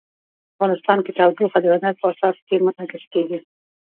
افغانستان کې تودوخه د هنر په اثار کې منعکس کېږي.